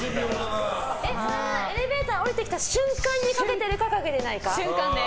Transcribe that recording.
エレベーター下りてきた瞬間にかけてるか、かけてないか？